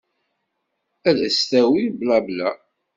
Ad as-d-tawi blabla.